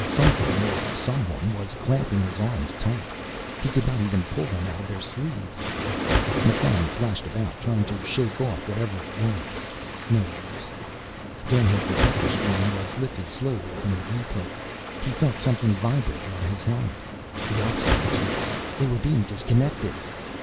Something, or someone, was clamping his arms tight. He could not even pull them out of their sleeves. Massan thrashed about, trying to shake off whatever it was. No use. Then his detector screen was lifted slowly from the viewplate. He felt something vibrating on his helmet. The oxygen tubes! They were being disconnected.